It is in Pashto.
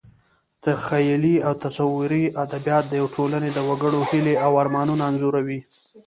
تخیلي او تصویري ادبیات د یوې ټولنې د وګړو هیلې او ارمانونه انځوروي.